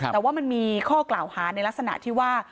แต่ว่ามันมีข้อกล่าวหาในลักษณะที่ว่า